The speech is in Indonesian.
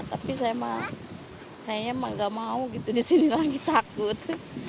tapi saya mah kayaknya mah gak mau gitu di sini lagi takut